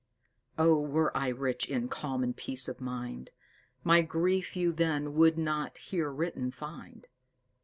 "Oh, were I rich in calm and peace of mind, My grief you then would not here written find!